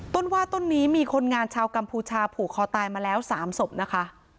ต้นว่าต้นนี้มีคนงานชาวกัมพูชาผูกคอตายมาแล้ว๓ศพนะคะ